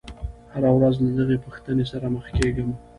هره ورځ له دغې پوښتنې سره مخ کېږم.